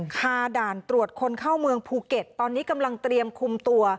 คาด่านตรวจคนเข้าเมืองภูเก็ตตอนนี้กำลังเตรียมคุมตัว